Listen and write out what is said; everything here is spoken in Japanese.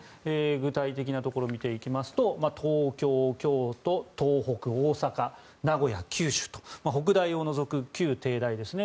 具体的なところ見ていきますと東京、京都、東北、大阪名古屋、九州と北大を除く旧帝大ですね。